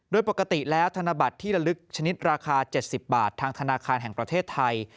โดยปกติแล้วธนบัตรที่ละลึกชนิดราคา๗๐บาททางธนาคารแห่งประเทศไทย